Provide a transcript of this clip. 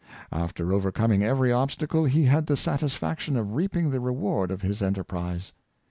After overcom ing every obstacle, he had the satisfaction of reaping the reward of his enterprise.